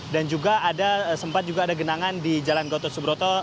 dan juga ada sempat juga ada genangan di jalan gotot subroto